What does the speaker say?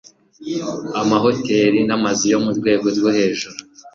Amahoteri n'amazu yo mu rwego rwo hejuru